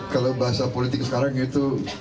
kalau bahasa politik sekarang itu